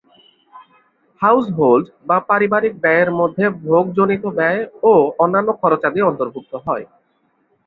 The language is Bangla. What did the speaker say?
হাউজহোল্ড বা পারিবারিক ব্যয়ের মধ্যে ভোগজনিত ব্যয় ও অন্যান্য খরচাদি অন্তর্ভুক্ত হয়।